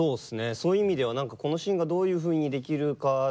そういう意味では何かこのシーンがどういうふうにできるかな